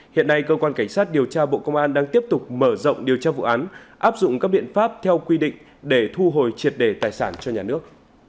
hiện nay cơ quan cảnh sát điều tra bộ công an đang tiếp tục mở rộng điều tra vụ án áp dụng các biện pháp theo quy định để thu hồi triệt đề tài sản cho nhà nước